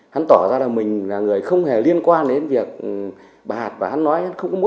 hán tỏ ra là mình là người không hề liên quan đến việc bà hạt và hán nói